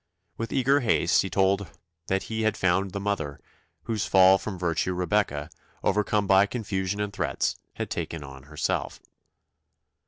With eager haste he told that he had found the mother, whose fall from virtue Rebecca, overcome by confusion and threats, had taken on herself.